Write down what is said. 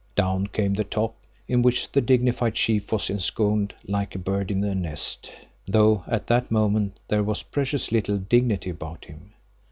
Down came the top in which the dignified chief was ensconced like a bird in a nest, though at that moment there was precious little dignity about him.